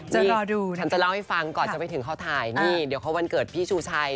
นี่ฉันจะเล่าให้ฟังก่อนจะไปถึงเขาถ่ายนี่เดี๋ยวเขาวันเกิดพี่ชูชัย